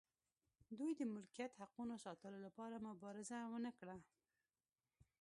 دوی د ملکیت حقونو ساتلو لپاره مبارزه ونه کړه.